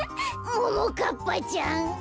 ももかっぱちゃん。